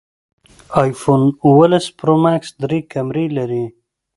ایفون اوولس پرو ماکس درې کمرې لري